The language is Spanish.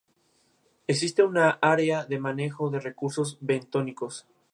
Existe un área de manejo de recursos bentónicos.